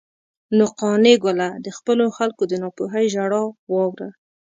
نو قانع ګله، د خپلو خلکو د ناپوهۍ ژړا واوره.